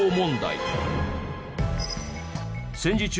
戦時中